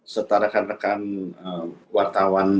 serta rekan rekan wartawan